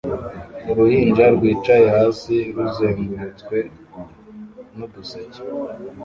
Uruhinja rwicaye hasi ruzengurutswe n'uduseke